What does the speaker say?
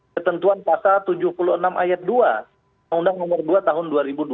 ketentuan pasal tujuh puluh enam ayat dua undang undang nomor dua tahun dua ribu dua puluh